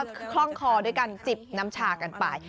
คล่องคอด้วยการจิบน้ำชากันไป